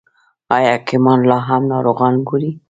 آیا حکیمان لا هم ناروغان ګوري؟